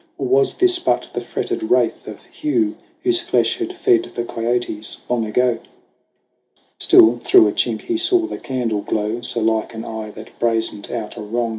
Or was this but the fretted wraith of Hugh Whose flesh had fed the kiotes long ago ? Still through a chink he saw the candle glow, So like an eye that brazened out a wrong.